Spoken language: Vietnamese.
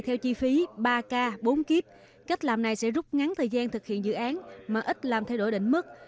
theo chi phí ba k bốn kíp cách làm này sẽ rút ngắn thời gian thực hiện dự án mà ít làm thay đổi đỉnh mức